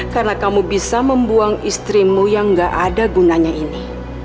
karena kamu bisa membuang istrimu yang gak ada gunanya ini